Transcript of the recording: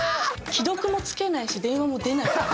既読もつけないし電話も出ないんですよ。